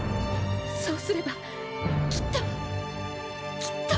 そうすればきっときっと！！